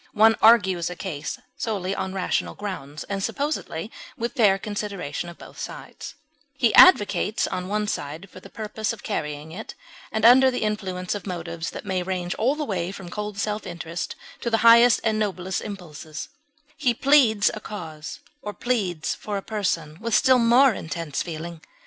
One argues a case solely on rational grounds and supposably with fair consideration of both sides; he advocates one side for the purpose of carrying it, and under the influence of motives that may range all the way from cold self interest to the highest and noblest impulses; he pleads a cause, or pleads for a person with still more intense feeling.